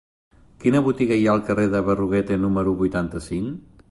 Quina botiga hi ha al carrer de Berruguete número vuitanta-cinc?